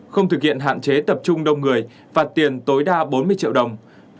không thực hiện hạn chế tập trung đông người phạt tiền tối đa bốn mươi triệu đồng